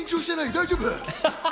大丈夫？